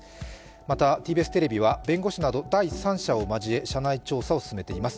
またＴＢＳテレビは弁護士など第三者を交え社内調査を進めております。